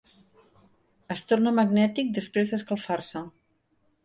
Es torna magnètic després d'escalfar-se.